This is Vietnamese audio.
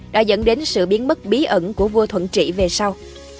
đã dẫn đến sự biến mất bí ẩn của vua thuận trị về sau